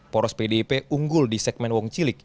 poros pdip unggul di segmen wong cilik